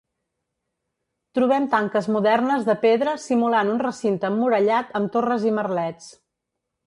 Trobem tanques modernes de pedra simulant un recinte emmurallat amb torres i merlets.